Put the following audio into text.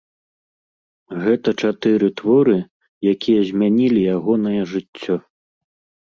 Гэта чатыры творы, якія змянілі ягонае жыццё.